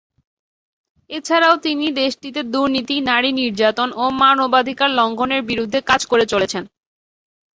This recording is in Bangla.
এছাড়াও তিনি দেশটিতে দুর্নীতি, নারী নির্যাতন ও মানবাধিকার লঙ্ঘনের বিরুদ্ধে কাজ করে চলেছেন।